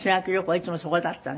いつもそこだったのよ。